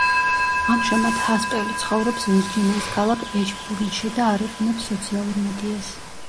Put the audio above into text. ამჟამად ჰასპელი ცხოვრობს ვირჯინიის ქალაქ ეშბურნში და არ იყენებს სოციალურ მედიას.